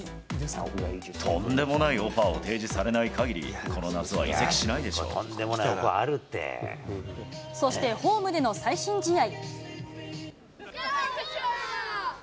とんでもないオファーを提示されないかぎり、この夏は移籍しないそしてホームでの最新試合。